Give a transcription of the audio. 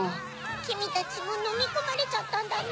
きみたちものみこまれちゃったんだね。